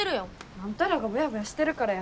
あんたらがボヤボヤしてるからや。